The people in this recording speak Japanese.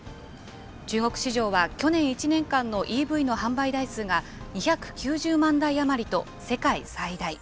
中国市場は去年１年間のＥＶの販売台数が２９０万台余りと世界最大。